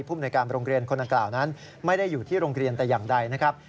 มนวยการโรงเรียนคนดังกล่าวนั้นไม่ได้อยู่ที่โรงเรียนแต่อย่างใดนะครับ